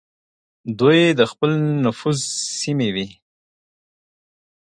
دوی د خپل نفوذ سیمې وې.